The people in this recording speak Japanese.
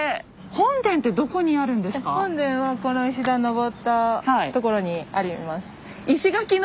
本殿はこの石段上ったところにあります。